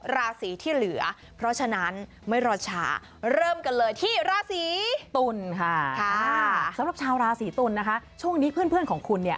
ราศีตุลค่ะค่ะสำหรับชาวราศีตุลนะคะช่วงนี้เพื่อนเพื่อนของคุณเนี่ย